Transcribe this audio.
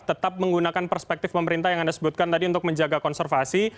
tetap menggunakan perspektif pemerintah yang anda sebutkan tadi untuk menjaga konservasi